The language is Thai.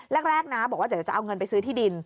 แรกนะบอกว่าเดี๋ยวจะเอาเงินไปซื้อที่ดิน